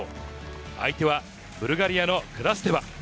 相手はブルガリアのクラステバ。